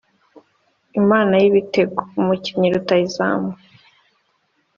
Imana y’ibitego (Umukinnyi rutahizamu